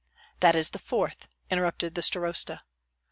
"That is the fourth!" interrupted the starosta.